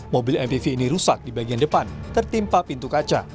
mobil mpv ini rusak di bagian depan tertimpa pintu kaca